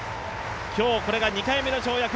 今日これが２回目の跳躍。